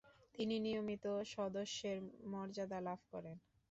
তিনি নিয়মিত সদস্যের মর্যাদা লাভ করেন।